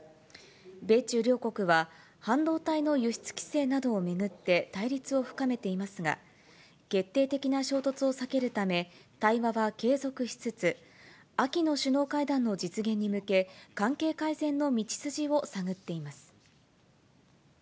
米中両国は、半導体の輸出規制などを巡って対立を深めていますが、決定的な衝突を避けるため、対話は継続しつつ、秋の首脳会談の実現に向け、関係改善の道筋を探っています。